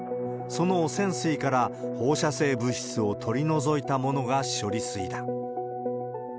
その汚染水から放射性物質を取り除いたものが処理水だ。